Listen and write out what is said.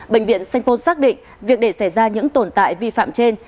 bệnh viện saint paul xác định việc để xảy ra những tồn tại vi phạm trên